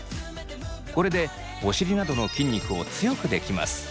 これでお尻などの筋肉を強くできます。